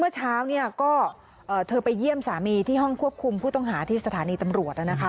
เมื่อเช้าเนี่ยก็เธอไปเยี่ยมสามีที่ห้องควบคุมผู้ต้องหาที่สถานีตำรวจนะคะ